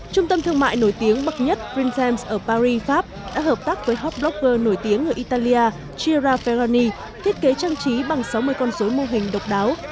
trung tâm thương mại nổi tiếng bậc nhất prince james ở paris pháp đã hợp tác với hot blogger nổi tiếng người italia gioia ferroni thiết kế trang trí bằng sáu mươi con dối mô hình độc đáo